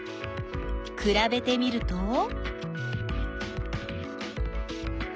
くらべてみると？